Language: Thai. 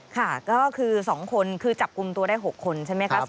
ค่ะก็คือ๒คนคือจับกลุ่มตัวได้๖คนใช่ไหมคะ